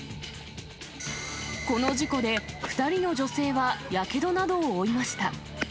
この事故で、２人の女性はやけどなどを負いました。